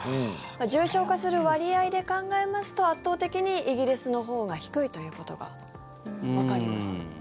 重症化する割合で考えますと圧倒的にイギリスのほうが低いということがわかります。